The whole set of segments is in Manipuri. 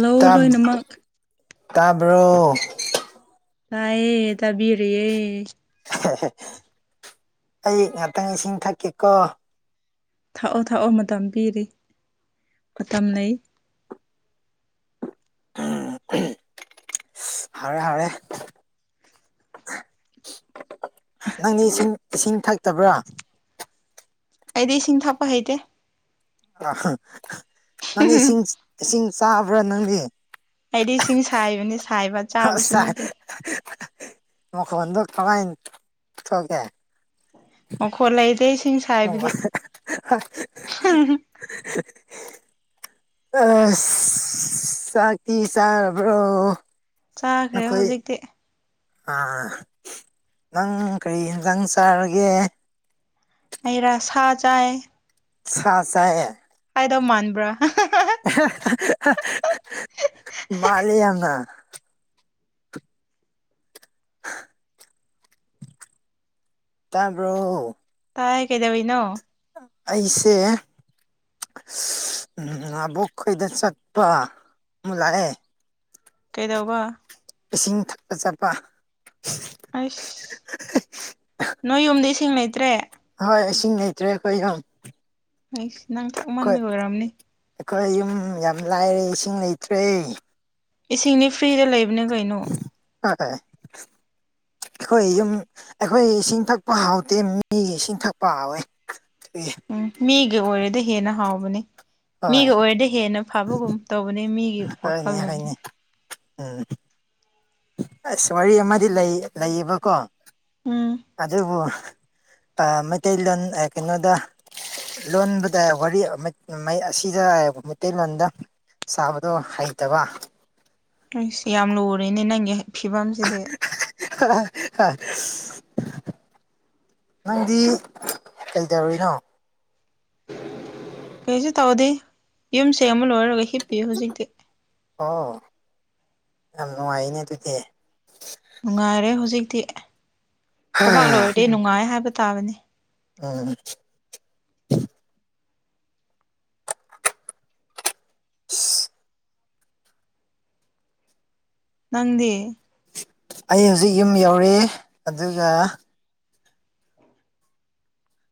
ꯂꯧ ꯇꯥ ꯂꯣꯏꯅꯃꯛ ꯇꯥꯕ꯭ꯔꯣ ꯇꯥꯏꯌꯦ ꯇꯥꯕꯤꯔꯤꯌꯦ ꯑꯩ ꯉꯥꯛꯇꯪ ꯏꯁꯤꯡ ꯊꯛꯀꯦꯀꯣ ꯊꯥꯛꯑꯣ ꯊꯥꯛꯑꯣ ꯃꯇꯝ ꯄꯤꯔꯤ ꯃꯇꯝ ꯂꯩ ꯑꯝ ꯍꯤꯝ ꯍꯥꯎꯔꯦ ꯍꯥꯎꯔꯦ ꯅꯪꯗꯤ ꯏꯁꯤꯡ ꯏꯁꯤꯡ ꯊꯛꯇꯕ꯭ꯔꯥ ꯑꯩꯗꯤ ꯏꯁꯤꯡ ꯊꯛꯄ ꯍꯩꯇꯦ ꯑꯥꯍ ꯅꯪꯗꯤ ꯏꯁꯤꯡ ꯏꯁꯤꯡ ꯆꯥꯕ꯭ꯔꯥ ꯅꯪꯗꯤ ꯑꯩꯗꯤ ꯏꯁꯤꯡ ꯁꯥꯏꯕꯅꯦ ꯁꯥꯏꯕ ꯆꯥꯕꯁꯨ ꯑꯁ ꯅꯠꯇꯦ ꯃꯈꯣꯟꯗꯣ ꯀꯃꯥꯏꯟ ꯊꯣꯛꯒꯦ ꯃꯈꯣꯠ ꯂꯩꯗꯦꯁꯤꯡ ꯁꯥꯏꯕꯗꯤ [inaudible] ꯑꯁ ꯆꯥꯛꯇꯤ ꯆꯥꯔꯕ꯭ꯔꯣ ꯆꯥꯈ꯭ꯔꯦ ꯅꯈꯣꯏ ꯍꯧꯖꯤꯛꯇꯤ ꯑꯥ ꯅꯪ ꯀꯔꯤ ꯏꯟꯁꯥꯡ ꯆꯥꯔꯒꯦ ꯑꯩꯩꯔ ꯁꯥ ꯆꯥꯏ ꯁꯥ ꯆꯥꯏꯌꯦ ꯍꯥꯏꯗꯧ ꯃꯥꯥꯟꯕ꯭ꯔꯥ ꯃꯥꯜꯂꯤ ꯌꯥꯝꯅ ꯇꯥꯕ꯭ꯔꯣ ꯇꯥꯏ ꯀꯩꯗꯧꯔꯤꯅꯣ ꯑꯩꯁꯦ ꯎꯝ ꯑꯕꯣꯛ ꯈꯣꯏꯗ ꯆꯠꯄ ꯂꯑꯦ ꯀꯩꯗꯧꯕ ꯏꯁꯤꯡ ꯊꯛꯄ ꯆꯠꯄ ꯑꯩꯁ ꯅꯣꯏ ꯌꯨꯝꯗ ꯏꯁꯤꯡ ꯂꯩꯇ꯭ꯔꯦ ꯍꯣꯏ ꯏꯁꯤꯡ ꯂꯩꯇ꯭ꯔꯦ ꯑꯩꯈꯣꯏ ꯌꯥꯝ ꯏꯁ ꯅꯪ ꯊꯛ ꯃꯟꯕꯩ ꯑꯣꯏꯔꯝꯅꯤ ꯑꯩꯈꯣꯏ ꯌꯨꯝ ꯌꯥꯝ ꯂꯥꯏꯔꯦ ꯏꯁꯤꯡ ꯂꯩꯇ꯭ꯔꯦ ꯏꯁꯤꯡꯗꯤ ꯐ꯭ꯔꯤꯗ ꯂꯩꯕꯅꯤ ꯀꯩꯅꯣ ꯈꯣꯏ ꯌꯨꯝ ꯑꯩꯈꯣꯏ ꯏꯁꯤꯡ ꯊꯛꯄ ꯍꯥꯎꯇꯦ ꯃꯤꯒꯤ ꯏꯁꯤꯡ ꯊꯛꯄ ꯍꯥꯎꯋꯦ ꯎꯝ ꯃꯤꯒ ꯑꯣꯏꯔꯦꯗ ꯍꯦꯟꯅ ꯍꯥꯎꯕꯅꯦ ꯍꯣꯏ ꯃꯤꯒ ꯑꯣꯏꯔꯗꯤ ꯍꯦꯟꯅ ꯐꯕꯒꯨꯝ ꯇꯧꯕꯅꯦ ꯃꯤꯒꯤ ꯍꯣꯏꯅꯦ ꯋꯥꯈꯜꯂꯣꯟ ꯍꯣꯏꯅꯦ ꯎꯝ ꯑꯁ ꯋꯥꯔꯤ ꯑꯃꯗꯤ ꯂꯩ ꯂꯩꯌꯦꯕꯀꯣ ꯎꯝ ꯑꯗꯨꯕꯨ ꯃꯩꯇꯩꯂꯣꯟ ꯀꯩꯅꯣꯗ ꯂꯣꯟꯕꯗ ꯋꯥꯔꯤ ꯑꯁꯤꯗꯕ ꯃꯩꯇꯩꯂꯣꯟꯗ ꯁꯥꯕꯗꯣ ꯍꯩꯇꯕ ꯑꯩꯁ ꯌꯥꯝ ꯂꯨꯔꯦꯅꯦ ꯅꯪꯒꯤ ꯐꯤꯕꯝꯁꯤꯗꯤ ꯍꯥ ꯍꯥ ꯍꯥ ꯅꯪꯗꯤ ꯀꯩꯗꯧꯔꯤꯅꯣ ꯀꯩꯁꯨ ꯇꯧꯗꯦ ꯌꯨꯝꯁꯦ ꯑꯃ ꯂꯣꯏꯔꯒ ꯍꯤꯞꯄꯤꯌꯨ ꯍꯧꯖꯤꯛꯇꯤ ꯑꯣ ꯌꯥꯝ ꯅꯨꯡꯉꯥꯏꯅꯦ ꯑꯗꯨꯗꯤ ꯅꯨꯡꯉꯥꯏꯔꯦ ꯍꯧꯖꯤꯛꯇꯤ ꯊꯕꯛ ꯂꯣꯏꯔꯗꯤ ꯅꯨꯡꯉꯥꯏ ꯍꯥꯏꯕ ꯇꯥꯕꯅꯤ ꯑꯣ ꯏꯁ ꯅꯪꯗꯤ ꯑꯩ ꯍꯧꯖꯤꯛ ꯌꯨꯝ ꯌꯧꯔꯦ ꯑꯗꯨꯒ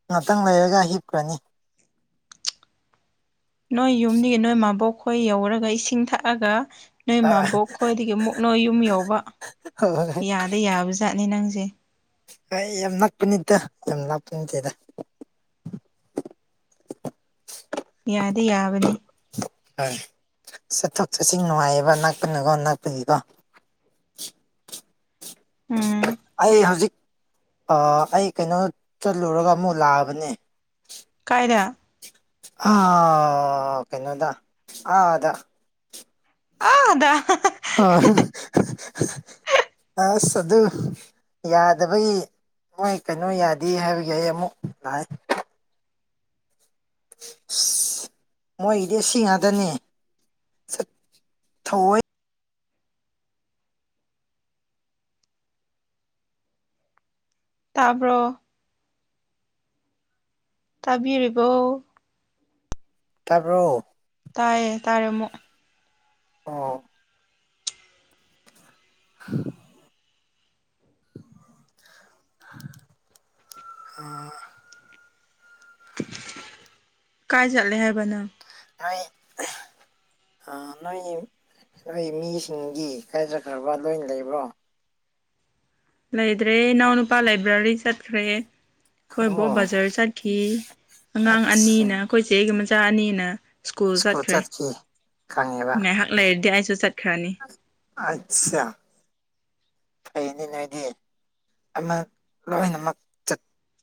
ꯉꯥꯛꯇꯪ ꯂꯩꯔꯒ ꯍꯤꯞꯈ꯭ꯔꯅꯤ ꯅꯣꯏ ꯌꯨꯝꯗꯒꯤ ꯅꯣꯏ ꯃꯥꯕꯣꯛꯈꯣꯏ ꯌꯧꯔꯒ ꯏꯁꯤꯡ ꯊꯛꯑꯒ ꯅꯣꯏ ꯑ ꯃꯕꯣꯛ ꯈ꯭ꯣꯏꯗꯒꯤ ꯃꯨꯛꯅꯣꯏ ꯌꯨꯝ ꯌꯧꯕ ꯍꯣꯏ ꯌꯥꯗ ꯌꯥꯕꯖꯥꯠꯅꯤ ꯅꯪꯁꯦ ꯍ ꯌꯥꯝ ꯅꯛꯄꯅꯤꯗ ꯌꯥꯝ ꯂꯥꯞꯄ ꯅꯠꯇꯦꯗ ꯌꯥꯗꯤ ꯌꯥꯕꯅꯤ ꯍꯣꯏ ꯆꯠꯊꯣꯛ ꯆꯠꯁꯤꯟ ꯅꯨꯡꯉꯥꯏꯌꯦꯕ ꯅꯛꯄꯅꯀꯣ ꯅꯛꯄꯒꯤꯀꯣ ꯎꯝ ꯑꯩ ꯍꯧꯖꯤꯛ ꯑ ꯑꯩ ꯀꯩꯅꯣ ꯆꯠꯂꯨꯔꯒ ꯑꯃꯨꯛ ꯂꯥꯛꯑꯕꯅꯦ ꯀꯥꯏꯗ ꯑ ꯀꯩꯅꯣꯗ ꯑ ꯑꯗ ꯑꯗ ꯑ ꯑꯁ ꯑꯗꯨ ꯌꯥꯗꯕꯩ ꯃꯣꯏ ꯀꯩꯅꯣ ꯌꯥꯗꯦ ꯍꯥꯏꯕꯒꯤ ꯑꯩ ꯑꯃꯨꯛ ꯂꯥꯛꯑꯦ ꯃꯣꯏꯒꯤꯗꯤ ꯁꯤ ꯉꯥꯗꯅꯤ ꯊꯋꯣꯏ ꯇꯥꯕ꯭ꯔꯣ ꯇꯥꯕꯤꯔꯤꯕꯣ ꯇꯥꯕ꯭ꯔꯣ ꯇꯥꯏꯌꯦ ꯇꯥꯔꯦ ꯑꯃꯨꯛ ꯑꯣ [inaudible] ꯑ ꯀꯥꯏ ꯆꯠꯂꯦ ꯍꯥꯏꯕ ꯅꯪ ꯅꯥꯏ ꯑ ꯅꯣꯏ ꯅꯣꯏ ꯃꯤꯁꯤꯡꯗꯤ ꯀꯥꯏ ꯆꯠꯈ꯭ꯔꯕ ꯂꯣꯏꯅ ꯂꯩꯕ꯭ꯔꯣ ꯂꯩꯗ꯭ꯔꯦ ꯏꯅꯥꯎ ꯅꯨꯄꯥ ꯂꯥꯏꯕ꯭ꯔꯦꯔꯤ ꯆꯠꯈ꯭ꯔꯦ ꯑꯩꯈꯣꯏ ꯕꯣꯛ ꯑꯣ ꯕꯖꯥꯔ ꯆꯠꯈꯤ ꯑꯉꯥꯡ ꯑꯠꯁꯥ ꯑꯅꯤꯅ ꯑꯩꯈꯣꯏ ꯏꯆꯦ ꯑꯩꯒꯤ ꯃꯆꯥ ꯑꯅꯤꯅ ꯁ꯭ꯀꯨꯜ ꯆꯠꯈ꯭ꯔꯦ ꯈꯪꯉꯦꯕ ꯉꯥꯏꯍꯥꯛ ꯂꯩꯔꯗꯤ ꯑꯩꯁꯨ ꯆꯠꯈ꯭ꯔꯅꯤ ꯑꯠꯁꯥ ꯐꯩꯅꯦ ꯅꯣꯏꯗꯤ ꯑꯃ ꯂꯣꯏꯅꯃꯛ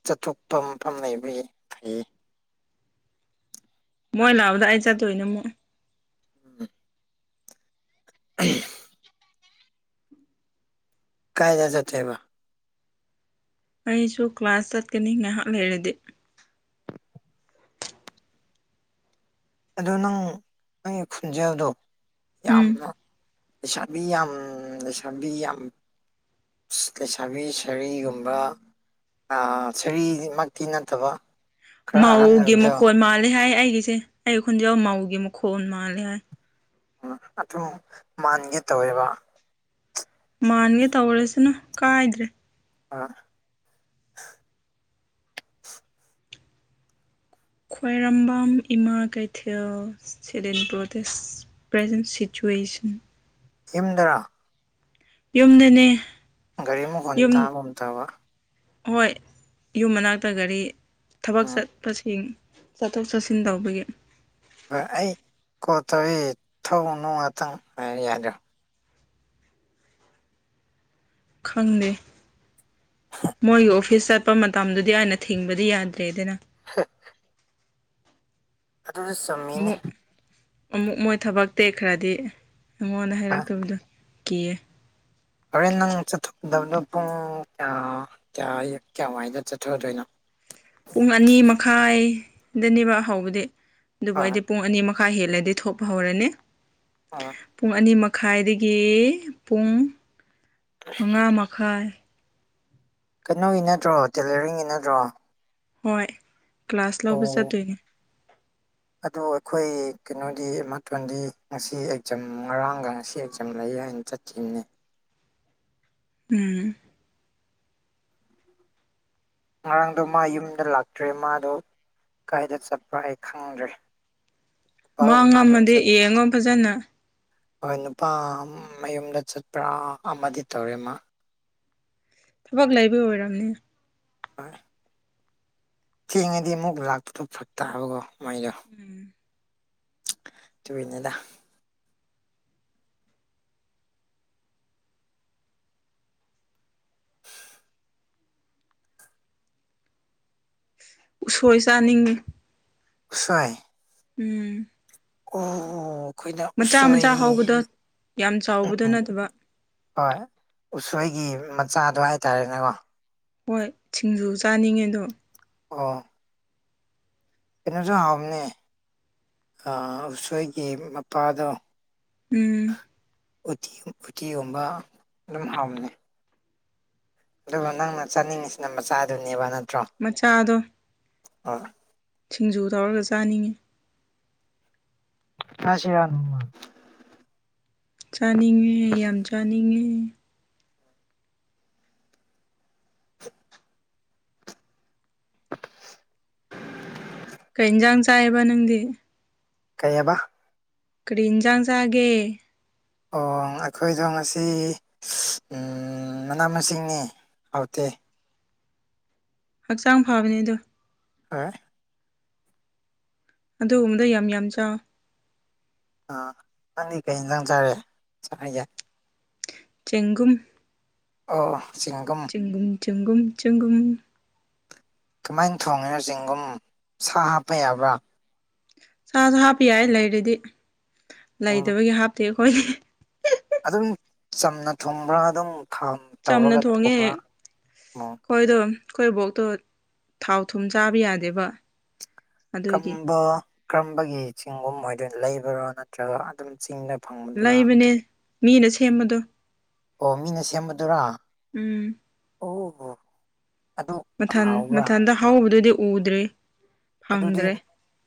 ꯆꯠꯊꯣꯛꯄ ꯃꯐꯝ ꯂꯩꯕꯒꯤ ꯐꯩ ꯃꯣꯏ ꯂꯥꯛꯑꯕꯗ ꯑꯩ ꯆꯠꯇꯣꯏꯅ ꯑꯃꯨꯛ [unintelligible] [unintelligible] ꯀꯥꯏꯗ ꯆꯠꯇꯣꯏꯕ ꯑꯩꯁꯨ ꯀ꯭ꯂꯥꯁ ꯆꯠꯀꯅꯤ ꯉꯥꯏꯍꯥꯛ ꯂꯩꯔꯗꯤ ꯑꯗꯨ ꯅꯪ ꯅꯪꯒꯤ ꯈꯣꯟꯖꯦꯜꯗꯣ ꯎꯝ ꯌꯥꯝꯅ ꯂꯩꯁꯥꯕꯤ ꯌꯥꯝ ꯂꯩꯁꯥꯕꯤ ꯌꯥꯝ ꯂꯩꯁꯥꯕꯤ ꯁꯔꯤꯒꯨꯝꯕ ꯑ ꯁꯔꯤꯗꯤꯃꯛꯇꯤ ꯅꯠꯇꯕ ꯈꯔ ꯑꯍꯟ ꯃꯧꯒꯤ ꯑꯣꯏꯕꯗꯣ ꯃꯈꯣꯟ ꯃꯥꯜꯂꯦ ꯍꯥꯏ ꯑꯩꯒꯤꯁꯦ ꯑꯩ ꯈꯣꯟꯖꯦꯜ ꯃꯧꯒꯤ ꯃꯈꯣꯟ ꯃꯥꯜꯂꯦ ꯍꯥꯏ ꯑꯗꯨ ꯃꯥꯟꯒꯦ ꯇꯧꯋꯦꯕ ꯃꯥꯟꯒꯦ ꯇꯧꯔꯁꯅꯨ ꯀꯥꯏꯗ꯭ꯔꯦ [unintelligible] ꯈ꯭ꯋꯥꯏꯔꯝꯕꯝ ꯏꯃꯥ ꯀꯩꯊꯦꯜ [unintelligible] ꯄ꯭ꯔꯖꯦꯟ ꯁꯤꯆꯨꯋꯦꯁꯟ ꯌꯨꯝꯗ꯭ꯔꯥ ꯌꯨꯝꯗꯅꯦ ꯒꯥꯔꯤ ꯃꯈꯣꯟ ꯌꯨꯝ ꯇꯥꯕꯒꯨꯝ ꯇꯧꯕ ꯍꯣꯏ ꯌꯨꯝ ꯃꯅꯥꯛꯇ ꯒꯥꯔꯤ ꯊꯕꯛ ꯎꯝ ꯆꯠꯄꯁꯤꯡ ꯆꯠꯊꯣꯛ ꯆꯠꯁꯤꯟ ꯇꯧꯕꯒꯤ ꯍꯣꯏ ꯑꯩ ꯀꯣꯜ ꯇꯧꯋꯏ ꯊꯧꯅꯅꯨꯡ ꯉꯥꯛꯇꯪ ꯍꯥꯏ ꯌꯥꯗꯣ ꯈꯪꯗꯦ ꯃꯣꯏ ꯑꯣꯐ ꯑꯣꯐꯤꯁ ꯆꯠꯄ ꯃꯇꯝꯗꯨꯗꯤ ꯑꯩꯅ ꯊꯤꯡꯕꯗꯤ ꯌꯥꯗ꯭ꯔꯦꯗꯅ [unintelligible] [unintelligible] ꯑꯃꯨꯛ ꯑꯃꯨꯛ ꯃꯣꯏ ꯊꯕꯛ ꯇꯦꯈ꯭ꯔꯗꯤ ꯑꯩꯉꯣꯟꯗ ꯑ ꯍꯥꯏꯔꯛꯇꯕꯗ ꯀꯦ ꯍꯣꯔꯦꯟ ꯅꯪ ꯆꯠꯊꯣꯛꯀꯗꯕꯅꯣ ꯄꯨꯡ ꯀꯌꯥ ꯀꯌꯥ ꯀꯌꯥꯋꯥꯏꯗ ꯆꯠꯊꯗꯣꯏꯅꯣ ꯄꯨꯡ ꯑꯅꯤ ꯃꯈꯥꯏꯗꯅꯦꯕ ꯍꯧꯕꯗꯤ ꯑꯗꯨꯕꯨ ꯍꯣꯏ ꯑꯩꯗꯤ ꯄꯨꯡ ꯑꯅꯤꯃ ꯃꯈꯥ ꯍꯦꯜꯂꯗꯤ ꯊꯣꯛꯄ ꯍꯧꯔꯅꯦ [unintelligible] ꯄꯨꯡ ꯑꯅꯤ ꯃꯈꯥꯏꯗꯒꯤ ꯄꯨꯡ ꯃꯉꯥ ꯃꯈꯥꯏ ꯀꯩꯅꯣꯒꯤ ꯅꯠꯇ꯭ꯔꯣ ꯇꯦꯂꯔꯤꯡꯒꯤ ꯅꯠꯇ꯭ꯔꯣ ꯍꯣꯏ ꯀ꯭ꯂꯥꯁ ꯑꯣ ꯂꯧꯕ ꯆꯠꯇꯣꯏꯅꯦ ꯑꯗꯨ ꯑꯩꯈꯣꯏ ꯀꯩꯅꯣꯒꯤ ꯃꯥꯊꯣꯟꯗꯤ ꯉꯁꯤ ꯑꯦꯛꯖꯥꯝ ꯉꯔꯥꯡꯒ ꯉꯁꯤ ꯑꯦꯛꯖꯥꯝ ꯂꯩ ꯍꯥꯏꯅ ꯆꯠ [unintelligible] ꯎꯝ ꯉꯔꯥꯡꯗꯣ ꯃꯥ ꯌꯨꯝꯗ ꯂꯥꯛꯇ꯭ꯔꯦ ꯃꯥꯗꯣ ꯀꯥꯏꯗ ꯆꯠꯄ꯭ꯔꯥ ꯑꯩ ꯈꯪꯗ꯭ꯔꯦ ꯄꯥꯎ ꯃꯥꯡ ꯎꯅꯕ ꯑꯃꯗꯤ ꯆꯠ ꯌꯦꯡꯉꯣ ꯐꯖꯅ ꯍꯣꯏ ꯅꯨꯄꯥ ꯃꯌꯨꯝꯗ ꯆꯠꯄ꯭ꯔꯥ ꯑꯃꯗꯤ ꯇꯧꯔꯦ ꯃꯥꯥ ꯊꯕꯛ ꯂꯩꯕ ꯑꯣꯏꯔꯝꯅꯤ [unintelligible] ꯊꯦꯡꯉꯗꯤ ꯑꯃꯨꯛ ꯂꯥꯛꯄꯗꯨ ꯐꯔꯛꯇꯥꯕꯀꯣ ꯃꯥꯏꯗꯣ ꯎꯝ ꯑꯗꯨꯒꯤꯅꯤꯗ ꯎꯁꯣꯏ ꯆꯥꯅꯤꯡꯉꯤ ꯁꯣꯏ ꯎꯝ ꯑꯣ ꯃꯆꯥ ꯃꯆꯥ ꯎꯁꯣꯏ ꯍꯧꯕꯗꯣ ꯌꯥꯝ ꯆꯥꯎꯕꯗꯨ ꯎꯝ ꯅꯠꯇꯕ ꯍꯣꯏ ꯎꯁꯣꯏꯒꯤ ꯃꯆꯥꯗꯣ ꯍꯥꯏꯇꯥꯔꯦꯅꯦꯀꯣ ꯍꯣꯏ ꯁꯤꯡꯖꯨ ꯆꯥꯅꯤꯡꯉꯦ ꯑꯗꯣ ꯑꯣ ꯀꯩꯅꯣꯁꯨ ꯍꯥꯎꯕꯅꯦ ꯑꯥ ꯎꯁꯣꯏꯒꯤ ꯃꯄꯥꯗꯣ ꯎꯝ ꯎꯇꯤ ꯎꯇꯤꯒꯨꯝꯕ ꯑꯗꯨꯝ ꯍꯥꯎꯕꯅꯤ ꯑꯗꯨꯒ ꯅꯪꯅ ꯆꯥꯅꯤꯡꯉꯤꯁꯤꯅ ꯃꯆꯥꯗꯨꯅꯦꯕ ꯅꯠꯇ꯭ꯔꯣ ꯃꯆꯥꯗꯣ ꯍꯣꯏ ꯁꯤꯡꯖꯨ ꯇꯧꯔꯒ ꯆꯥꯅꯤꯡꯉꯤ ꯆꯥꯁꯤꯔ ꯅꯣꯡꯃꯥ ꯆꯥꯅꯤꯡꯉꯦ ꯌꯥꯝ ꯆꯥꯅꯤꯡꯉꯦ [unintelligible] ꯀꯩ ꯏꯟꯖꯥꯡ ꯆꯥꯏꯌꯦꯕ ꯅꯪꯗꯤ ꯀꯩꯑꯕ ꯀ꯭ꯔꯤ ꯏꯟꯖꯥꯡ ꯆꯥꯒꯦ ꯑꯣ ꯑꯩꯈꯣꯏꯗꯣ ꯉꯁꯤ ꯎꯝ ꯃꯅꯥ ꯃꯁꯤꯡꯅꯦ ꯍꯥꯎꯇꯦ ꯍꯛꯆꯥꯡ ꯐꯕꯅꯦ ꯑꯗꯣ ꯍꯥ ꯑꯗꯨꯒꯨꯝꯕꯗꯨ ꯌꯥꯝ ꯌꯥꯝ ꯆꯥꯎ ꯑꯥ ꯅꯪꯗꯤ ꯀꯩ ꯏꯟꯖꯥꯡ ꯆꯥꯔꯦ [unintelligible] ꯆꯦꯡꯒꯨꯝ ꯑꯣ ꯆꯤꯡꯒꯝ ꯆꯦꯡꯒꯨꯝ ꯆꯦꯡꯒꯨꯝ ꯆꯦꯡꯒꯨꯝ ꯀꯃꯥꯏꯅ ꯊꯣꯡꯉꯤꯅꯣ ꯆꯤꯡꯒꯨꯝ ꯁꯥ ꯍꯥꯞꯄ ꯌꯥꯕ꯭ꯔꯥ ꯁꯥꯁꯨ ꯍꯥꯞꯄ ꯌꯥꯏ ꯂꯩꯔꯗꯤ ꯎꯝ ꯂꯩꯇꯕꯒꯤ ꯍꯥꯞꯇꯦ ꯑꯩꯈꯣꯏꯒꯤ ꯑꯗꯨꯝ ꯆꯝꯅ ꯊꯨꯝꯕ꯭ꯔꯥ ꯑꯗꯨꯝ ꯈꯥꯡ ꯇꯧꯔꯒ ꯊꯨꯝꯕ꯭ꯔꯥ ꯎꯝ ꯍꯣꯏꯗꯣ ꯑꯩꯈꯣꯏ ꯕꯣꯛꯇꯣ ꯊꯥꯎ ꯊꯨꯝ ꯆꯥꯕ ꯌꯥꯗꯦꯕ ꯑꯗꯨꯒꯤ ꯀꯝꯕ ꯀꯔꯝꯕꯒꯤ ꯆꯤꯡꯒꯨꯝ ꯑꯣꯏꯗꯣꯏꯅꯣ ꯂꯩꯕꯔꯣ ꯅꯠꯇ꯭ꯔꯒ ꯑꯗꯨꯝ ꯆꯤꯡꯗ ꯐꯪꯕꯗꯨꯔꯥ ꯂꯩꯕꯅꯦ ꯃꯤꯅ ꯁꯦꯝꯕꯗꯣ ꯑꯣ ꯃꯤꯅ ꯁꯦꯝꯕꯗꯨꯔꯥ ꯎꯝ ꯑꯣꯍꯣ ꯃꯊꯟ ꯃꯊꯟꯗ ꯍꯧꯕꯗꯨꯗꯤ ꯎꯗ꯭ꯔꯦ ꯑꯗꯨꯗꯤ ꯐꯪꯗ꯭ꯔꯦ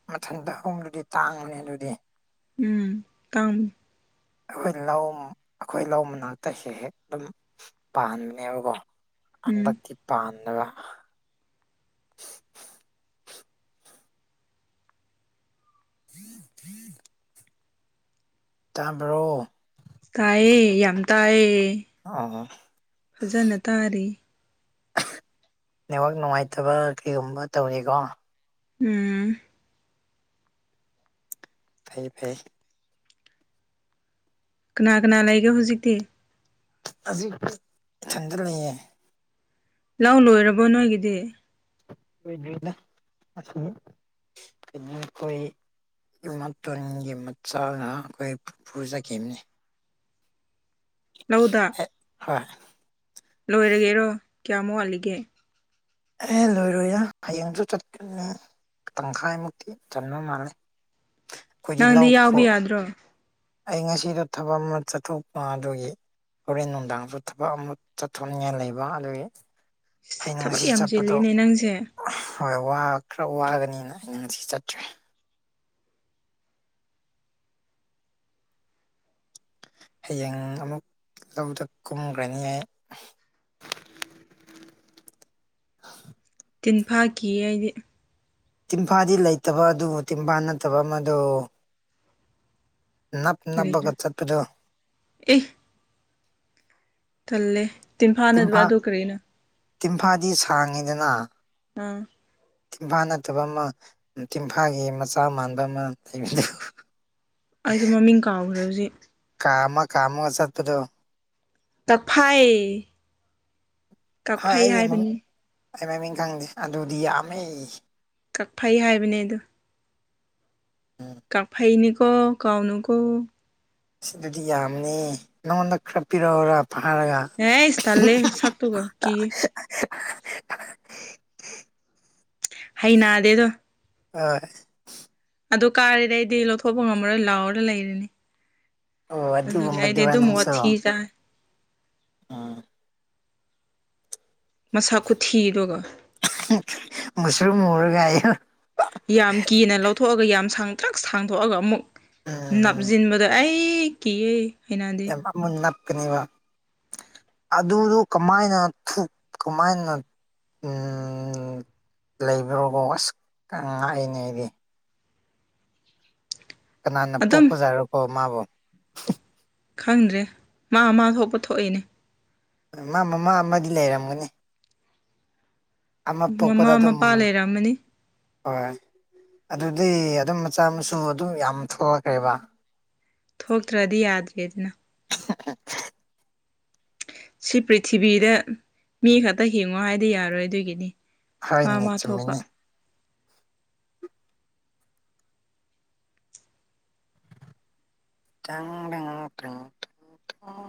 ꯃꯊꯟꯗ ꯍꯧꯕꯗꯨꯗꯤ ꯇꯥꯡꯕꯅꯤ ꯑꯗꯨꯗꯤ ꯎꯝ ꯇꯥꯝ ꯑꯩꯈꯣꯏ ꯂꯧ ꯑꯩꯈꯣꯏ ꯂꯧ ꯃꯅꯥꯛꯇ ꯍꯦꯛ ꯍꯦꯛ ꯑꯗꯨꯝ ꯄꯥꯟꯕꯅꯦꯕꯀꯣ ꯎꯝ ꯍꯟꯗꯛꯀꯤ ꯄꯥꯟꯗꯕ [inaudible] ꯇꯥꯕ꯭ꯔꯣ ꯇꯥꯏꯌꯦ ꯌꯥꯝ ꯇꯥꯏꯌꯦ ꯑꯥ ꯐꯖꯟꯅ ꯇꯥꯔꯤ ꯅꯦꯠꯋꯥꯛ ꯅꯨꯡꯉꯥꯏꯇꯕ ꯀꯩꯒꯨꯝꯕ ꯇꯧꯔꯤꯀꯣ ꯎꯝ ꯐꯩ ꯐꯩ ꯀꯅꯥ ꯀꯅꯥ ꯂꯩꯒꯦ ꯍꯧꯖꯤꯛꯇꯤ ꯍꯖꯤꯛꯇꯤ ꯏꯊꯟꯗ ꯂꯩꯌꯦ ꯂꯧ ꯂꯣꯏꯔꯕꯣ ꯅꯣꯏꯒꯤꯗꯤ꯫ ꯂꯣꯏꯗꯔ꯭ꯤꯗ ꯉꯁꯤ ꯀꯩꯅꯣ ꯑꯩꯈꯣꯏ [unintelligible] ꯏꯃꯥꯇꯣꯟꯒꯤ ꯃꯆꯥꯅ ꯑꯩꯈꯣꯏ ꯄꯨꯄꯨ ꯆꯠꯈꯤꯕꯅꯤ꯫ ꯂꯧꯗ ꯑꯦ ꯍꯣꯏ ꯂꯣꯏꯔꯒꯦꯔꯣ ꯀꯌꯥꯝ ꯋꯥꯠꯂꯤꯒꯦ ꯑꯦ ꯂꯣꯏꯔꯣꯏꯗ ꯍꯌꯦꯡꯁꯨ ꯆꯠꯀꯅꯤ ꯇꯪꯈꯥꯏꯃꯨꯛꯇꯤ ꯆꯟꯕ ꯃꯥꯜꯂꯦ ꯑꯩꯈꯣꯏꯗꯤ ꯅꯪꯗꯤ ꯂꯧ ꯈꯣ ꯌꯥꯎꯕ ꯌꯥꯗ꯭ꯔꯣ ꯑꯩ ꯉꯁꯤꯗꯣ ꯊꯕꯛ ꯑꯃ ꯆꯠꯊꯣꯛꯄ ꯑꯗꯨꯒꯤ ꯍꯣꯔꯦꯟ ꯅꯨꯡꯗꯥꯡꯁꯨ ꯊꯕꯛ ꯑꯃ ꯆꯠꯊꯣꯛꯅꯤꯡꯉꯥꯏ ꯂꯩꯕ ꯑꯗꯨꯒꯤ ꯏꯁ ꯑꯩꯅ ꯊꯕꯛ ꯉꯁꯤ ꯌꯥꯝ ꯆꯠꯄꯗꯣ ꯆꯤꯜꯂꯤꯅꯦ ꯅꯪꯁꯦ ꯍꯣꯏ ꯋꯥ ꯈꯔ ꯋꯥꯒꯅꯤꯅ ꯉꯁꯤ ꯆꯠꯇ꯭ꯔꯦ꯫ ꯍꯌꯦꯡ ꯑꯃꯨꯛ ꯂꯧꯗ ꯀꯨꯝꯒ꯭ꯔꯅꯤ ꯑꯩ꯫ ꯇꯤꯟꯐꯥ ꯀꯤꯌꯦ ꯑꯩꯗꯤ ꯇꯤꯟꯐꯥꯗꯤ ꯂꯩꯇꯕ ꯑꯗꯨꯕꯨ ꯇꯤꯟꯐꯥ ꯅꯠꯇꯕ ꯑꯃꯗꯣ ꯅꯞ ꯅꯞꯄꯒ ꯀꯔꯤꯔ ꯆꯠꯄꯗꯣ ꯑꯦ ꯇꯜꯂꯦ ꯇꯤꯟꯐꯥ ꯅꯠꯇꯕ ꯑꯗꯨ ꯀꯔꯤꯅꯣ ꯇꯤꯟꯐꯥꯗꯤ ꯁꯥꯡꯉꯤꯗꯅ ꯑꯥ ꯇꯤꯟꯐꯥ ꯅꯠꯇꯕ ꯑꯃ ꯇꯤꯟꯐꯥꯒꯤ ꯃꯆꯥ ꯃꯥꯟꯕ ꯑꯃ ꯂꯩꯕꯗꯣ ꯑꯩꯁꯨ ꯃꯃꯤꯡ ꯀꯥꯎꯈ꯭ꯔꯦ ꯍꯧꯖꯤꯛ ꯀꯥꯝꯃ ꯀꯥꯝꯃꯒ ꯆꯠꯄꯗꯣ ꯀꯥꯛꯐꯩ ꯍꯣꯏ ꯑꯩꯗꯤ ꯃꯃꯤꯡ ꯍꯥꯏꯕꯅꯤ ꯑꯩ ꯃꯃꯤꯡ ꯈꯪꯗꯦ ꯑꯗꯨꯗꯤ ꯌꯥꯝꯃꯦ꯫ ꯀꯥꯛꯐꯩ ꯍꯥꯏꯕꯅꯦ ꯑꯗꯨ ꯎꯝ ꯀꯥꯛꯐꯩꯅꯤꯀꯣ ꯀꯥꯎꯅꯨꯀꯣ ꯏꯁ ꯗꯨꯗꯤ ꯌꯥꯝꯕꯅꯤ ꯅꯉꯣꯟꯗ ꯈꯔ ꯄꯤꯔꯛꯎꯔꯣ ꯐꯥꯔꯒ ꯍꯩꯁ ꯇꯜꯂꯦ ꯁꯛꯇꯨꯒ ꯀꯤ [unintelligible] ꯍꯩꯅꯗꯦ ꯑꯗꯣ ꯍꯣꯏ꯫ ꯑꯗꯨ ꯀꯥꯔꯗꯤ ꯑꯩꯗꯤ ꯂꯧꯊꯣꯛꯄ ꯉꯝꯃꯔꯣꯏ ꯂꯥꯎꯔ ꯂꯩꯔꯅꯤ꯫ ꯑꯣ ꯑꯗꯨꯒꯤ ꯑꯩꯗꯤ ꯑꯗꯨꯒꯨꯝꯕꯗꯨꯔꯥ ꯑꯗꯨꯝ ꯅꯪꯁꯨ ꯋꯥꯊꯤ ꯆꯥꯏ꯫ ꯎꯝ ꯃꯁꯛ ꯈꯨꯊꯤꯗꯨꯒ ꯃꯨꯁꯨꯨꯛ ꯃꯨꯔꯒ ꯍꯥꯏꯌꯣ ꯌꯥꯝ ꯀꯤꯅ ꯂꯧꯊꯣꯛꯑꯒ ꯌꯥꯝ ꯁꯥꯡꯇꯔꯤꯛ ꯁꯥꯡꯇꯣꯛꯑꯒ ꯑꯃꯨꯛ ꯎꯝ ꯅꯞꯖꯤꯟꯕꯗ ꯑꯩ ꯀꯤꯌꯦ꯫ ꯍꯩꯅꯗꯦ ꯌꯥꯝ [unintelligible] ꯅꯞꯀꯅꯤꯕ꯫ ꯑꯗꯨꯗꯨ ꯀꯃꯥꯏꯅ ꯊꯨꯛ ꯀꯃꯥꯏꯅ ꯂꯩꯕꯔꯀꯣ [unintelligible] ꯑꯁ ꯉꯛꯏꯅꯦ ꯑꯩꯗꯤ ꯀꯅꯥꯅ ꯑꯗꯨꯝ ꯄꯣꯛꯄ ꯖꯥꯔꯣꯀꯣ ꯃꯥꯕꯣ꯫ ꯈꯪꯗ꯭ꯔꯦ ꯃꯥ ꯃꯥ ꯊꯣꯛꯄ ꯊꯣꯛꯏꯅꯦ ꯃꯥ ꯃꯃꯥ ꯑꯃꯗꯤ ꯂꯩꯔꯝꯒꯅꯤ꯫ ꯑꯃ ꯄꯣꯛꯄꯗ ꯃꯃꯥ ꯑꯗꯨꯝ ꯃꯄꯥ ꯂꯩꯔꯝꯃꯅꯤ ꯍꯣꯏ ꯑꯗꯨꯗꯤ ꯑꯗꯨꯝ ꯃꯆꯥ ꯃꯁꯨ ꯑꯗꯨꯝ ꯌꯥꯝ ꯊꯣꯛꯂꯛꯈ꯭ꯔꯦꯕ ꯊꯣꯛꯇ꯭ꯔꯗꯤ ꯌꯥꯗ꯭ꯔꯦ ꯗꯨꯅ꯫ ꯑꯍꯥꯍꯥ ꯁꯤ ꯄ꯭ꯔꯤꯊꯤꯕꯤꯗ ꯃꯤ ꯈꯛꯇ ꯍꯤꯡꯉꯣ ꯍꯥꯏꯗꯤ ꯌꯥꯔꯣꯏ ꯑꯗꯨꯒꯤꯅꯤ ꯃꯥ ꯍꯥꯏꯅꯦ ꯃꯥ ꯊꯣꯛꯄ ꯆꯨꯝꯃꯤꯅꯦ ꯇꯦꯡ [unintelligible]